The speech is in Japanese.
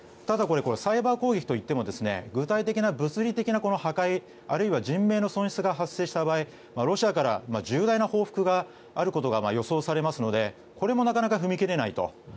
ただ、サイバー攻撃といっても具体的な、物理的な破壊、あるいは人命の損失が発生した場合ロシアから重大な報復があることが予想されますのでこれもなかなか踏み切れないと。